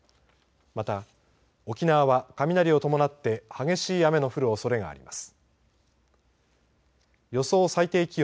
また、沖縄は雷を伴って激しい雨の降るおそれがあります。